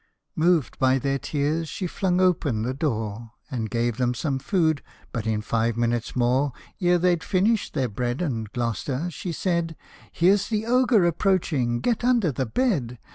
'' Moved by their tears, she flung open the door, And gave them some food ; but in five minutes more, Ere they'd finished their bread And Gloster, she said, " Here 's the Ogre approaching get under the bed